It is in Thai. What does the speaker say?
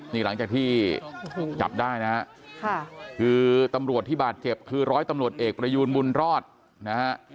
นี่หลังจากที่จับได้นะฮะคือตำรวจที่บาดเจ็บคือร้อยตำรวจเอกประยูนบุญรอดนะฮะ